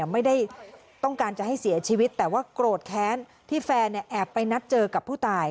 ไม่ได้ต้องการจะให้เสียชีวิตแต่ว่าโกรธแค้นที่แฟนแอบไปนัดเจอกับผู้ตาย